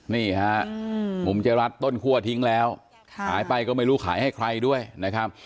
นี่ฮะมุมเจ๊รัฐต้นคั่วทิ้งแล้วขายไปก็ไม่รู้ขายให้ใครด้วยนะครับ